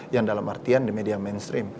yang dalam artian di media mainstream